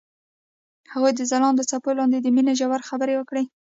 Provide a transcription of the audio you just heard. هغوی د ځلانده څپو لاندې د مینې ژورې خبرې وکړې.